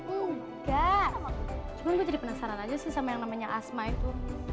enggak cuman gue jadi penasaran aja sih sama yang namanya asma itu